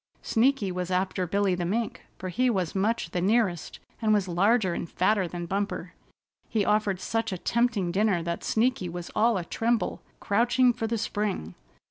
Sneaky was after Billy the Mink, for he was much the nearest, and was larger and fatter than Bumper. He offered such a tempting dinner that Sneaky was all atremble, crouching for the spring.